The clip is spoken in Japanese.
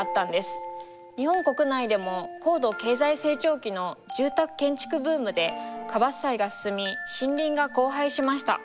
日本国内でも高度経済成長期の住宅建築ブームで過伐採が進み森林が荒廃しました。